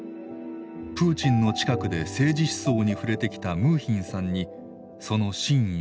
プーチンの近くで政治思想に触れてきたムーヒンさんにその真意を問いました。